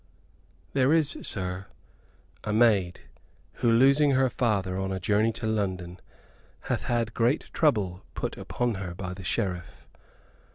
"There is, sir, a maid who, losing her father on a journey to London, hath had great trouble put upon her by the Sheriff.